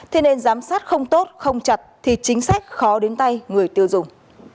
thế nên giám sát không tốt không chặt thì chính sách khó đến tay người tư dùng